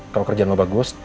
kalo kerjaan lo bagus